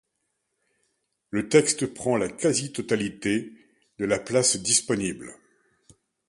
Le texte prend la quasi-totalité de la place disponible.